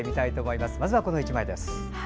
まずは、この１枚です。